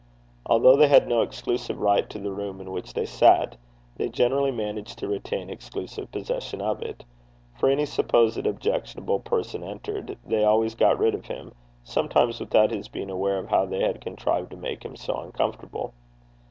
Although they had no exclusive right to the room in which they sat, they generally managed to retain exclusive possession of it; for if any supposed objectionable person entered, they always got rid of him, sometimes without his being aware of how they had contrived to make him so uncomfortable.